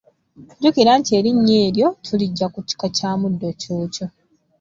Jjukira nti erinnya eryo tuliggya ku kika kya muddo ccuucu.